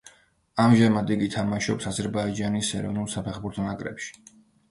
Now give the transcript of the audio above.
ამჟამად იგი თამაშობს აზერბაიჯანის ეროვნულ საფეხბურთო ნაკრებში.